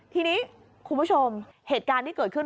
ทีนี้คุณผู้ชมเหตุการณ์ที่เกิดขึ้น